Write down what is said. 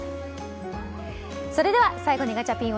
それでは最後にガチャピン